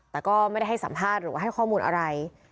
แต่ก็ไม่ได้ให้สัมภาษณ์หรือว่าให้ข้อมูลอะไร